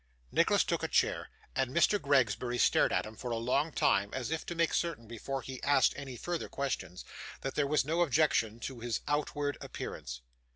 Nicholas took a chair, and Mr. Gregsbury stared at him for a long time, as if to make certain, before he asked any further questions, that there were no objections to his outward appearance.